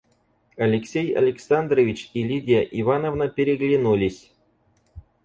Алексей Александрович и Лидия Ивановна переглянулись.